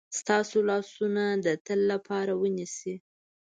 ستاسو لاسونه د تل لپاره ونیسي.